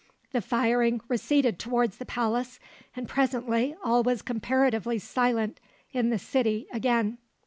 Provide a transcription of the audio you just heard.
The firing receded towards the palace, and presently all was comparatively silent in the city again.